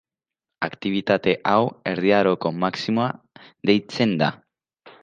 Aktibitate hau Erdi Aroko Maximoa deitzen da.